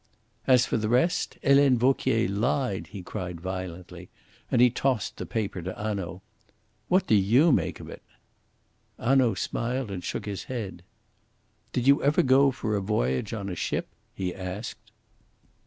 "As for the rest, Helene Vauquier lied," he cried violently, and he tossed the paper to Hanaud. "What do you make of it?" Hanaud smiled and shook his head. "Did you ever go for a voyage on a ship?" he asked.